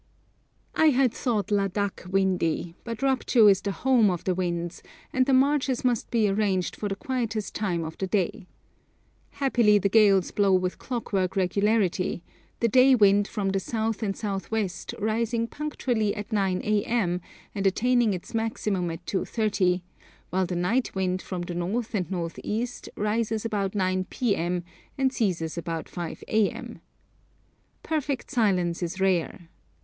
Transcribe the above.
I had thought Ladak windy, but Rupchu is the home of the winds, and the marches must be arranged for the quietest time of the day. Happily the gales blow with clockwork regularity, the day wind from the south and south west rising punctually at 9 a.m. and attaining its maximum at 2.30, while the night wind from the north and north east rises about 9 p.m. and ceases about 5 a.m. Perfect silence is rare.